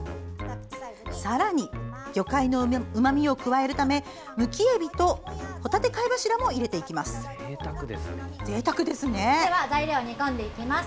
さらに魚介のうまみを加えるためむきえびと、帆立て貝柱も入れていきます。